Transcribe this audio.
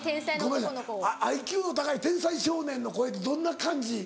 ごめんなさいＩＱの高い天才少年の声ってどんな感じ？